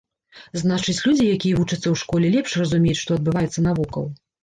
Значыць, людзі, якія вучацца ў школе, лепш разумеюць, што адбываецца навокал.